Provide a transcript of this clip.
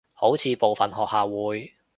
好似部份學校會